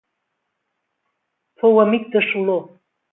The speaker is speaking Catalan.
Fou amic de Soló.